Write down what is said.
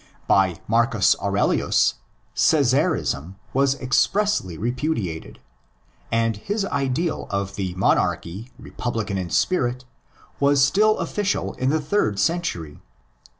By Marcus Aurelius ''Cesarism'' was expressly repudiated ; and his ideal of a monarchy republican in spirit was still official in the third century.